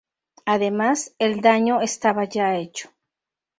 Ademas, el daño estaba ya hecho.